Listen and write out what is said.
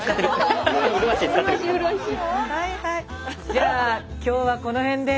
じゃあ今日はこのへんで。